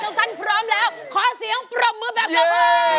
ุกันพร้อมแล้วขอเสียงปรบมือแบบบภพ